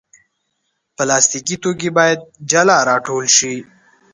پلاستيکي توکي باید جلا راټول شي.